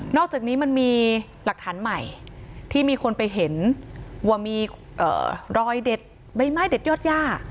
อกจากนี้มันมีหลักฐานใหม่ที่มีคนไปเห็นว่ามีรอยเด็ดใบไม้เด็ดยอดย่า